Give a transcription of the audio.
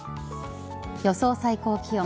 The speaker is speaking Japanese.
予想最高気温。